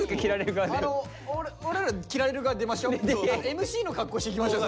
ＭＣの格好して行きましょう。